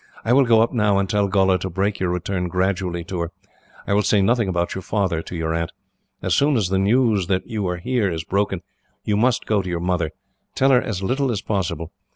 I will go up now, and tell Gholla to break your return gradually to her. I will say nothing about your father to your aunt. As soon as the news that you are here is broken, you must go to your mother. Tell her as little as possible.